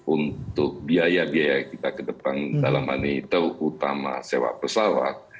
untuk biaya biaya kita ke depan dalam hal ini terutama sewa pesawat